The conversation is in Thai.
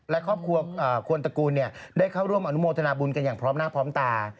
และครอบครัวควรตระกูลได้เข้าร่วมอนุโมทนาบุญกันอย่างพร้อมหน้าพร้อมตา